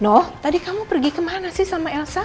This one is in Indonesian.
loh tadi kamu pergi kemana sih sama elsa